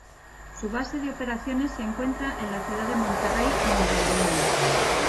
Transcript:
Su base de operaciones se encuentra en la ciudad de Monterrey, Nuevo León.